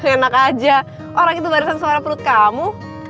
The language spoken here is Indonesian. enak aja orang itu barisan suara perut kamu